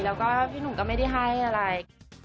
แล้วก็พี่หนุ่มก็ไม่ได้ให้อะไร